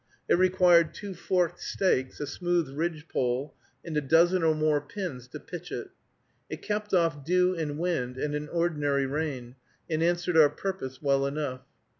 It required two forked stakes, a smooth ridge pole, and a dozen or more pins to pitch it. It kept off dew and wind, and an ordinary rain, and answered our purpose well enough.